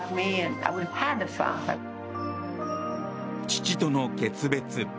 父との決別。